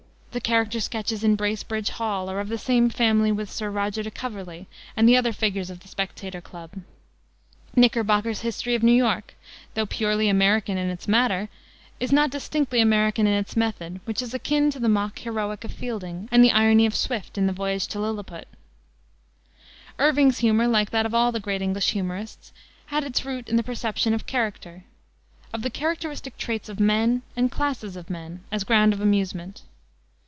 The character sketches in Bracebridge Hall are of the same family with Sir Roger de Coverley and the other figures of the Spectator Club. Knickerbocker's History of New York, though purely American in its matter, is not distinctly American in its method, which is akin to the mock heroic of Fielding and the irony of Swift in the Voyage to Lilliput. Irving's humor, like that of all the great English humorists, had its root in the perception of character of the characteristic traits of men and classes of men, as ground of amusement.